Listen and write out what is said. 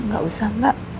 gak usah mbak